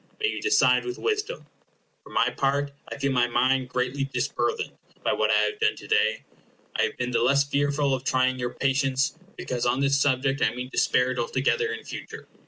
May you decide with wisdom! For my part, I feel my mind greatly disburthened by what I have done to day. I have been the less fearful of trying your patience, because on this subject I mean to spare it altogether in future.